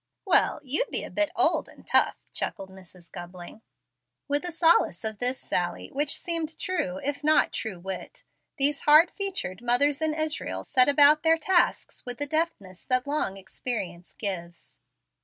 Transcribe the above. "Well, you be a bit old and tough," chuckled Mrs. Gubling. With the solace of this sally, which seemed true, if not true wit, these hard featured mothers in Israel set about their tasks with the deftness that long experience gives.